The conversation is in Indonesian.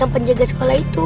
yang penjaga sekolah itu